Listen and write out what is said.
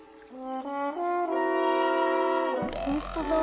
ほんとだ。